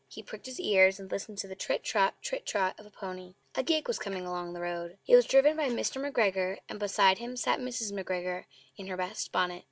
He pricked his ears and listened to the trit trot, trit trot of a pony. A gig was coming along the road; it was driven by Mr. McGregor, and beside him sat Mrs. McGregor in her best bonnet.